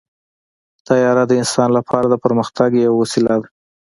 طیاره د انسان لپاره د پرمختګ یوه وسیله ده.